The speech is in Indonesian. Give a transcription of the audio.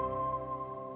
maulid ra'al di kelapa